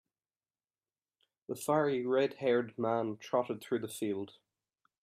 The fiery red-haired man trotted through the field.